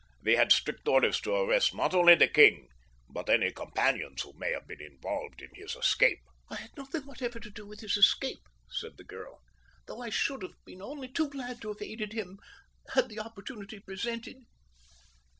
"We had strict orders to arrest not only the king, but any companions who may have been involved in his escape." "I had nothing whatever to do with his escape," said the girl, "though I should have been only too glad to have aided him had the opportunity presented."